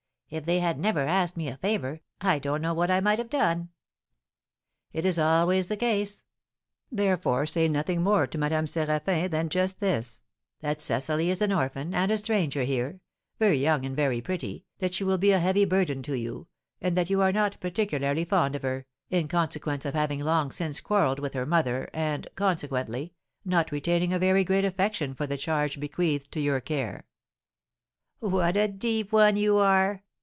If they had never asked me a favour, I don't know what I might have done." "It is always the case; therefore say nothing more to Madame Séraphin than just this, that Cecily is an orphan, and a stranger here, very young and very pretty, that she will be a heavy burden to you, and that you are not particularly fond of her, in consequence of having long since quarrelled with her mother, and, consequently, not retaining a very great affection for the charge bequeathed to your care." "What a deep one you are!